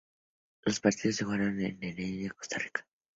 Los partidos se jugaron en Heredia, Costa Rica.